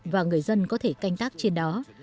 và người dân có thể canh tác trên đó